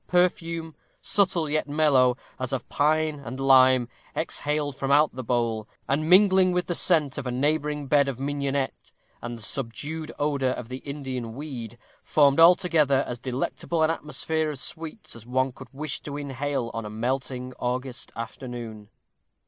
Perfume, subtle, yet mellow, as of pine and lime, exhaled from out the bowl, and, mingling with the scent of a neighboring bed of mignonette and the subdued odor of the Indian weed, formed altogether as delectable an atmosphere of sweets as one could wish to inhale on a melting August afternoon.